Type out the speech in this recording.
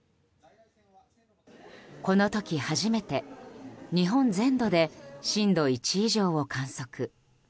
この時、初めて日本全土で震度１以上を観測。